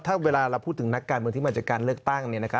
ถ้าเวลาเราพูดถึงนักการเมืองที่มาจากการเลือกตั้ง